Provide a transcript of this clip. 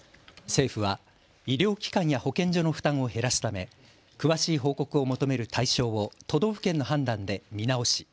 政府は医療機関や保健所の負担を減らすため詳しい報告を求める対象を都道府県の判断で見直し